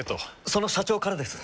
その社長からです。